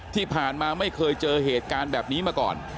ที่ผ่านมาไม่เคยเจอเหตุการณ์แบบนี้มาก่อน